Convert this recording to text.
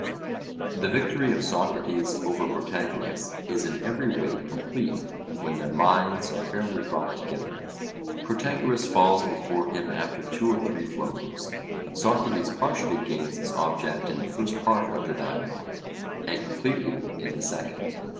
The victory of Socrates over Protagoras is in every way complete when their minds are fairly brought together. Protagoras falls before him after two or three blows. Socrates partially gains his object in the first part of the Dialogue, and completely in the second.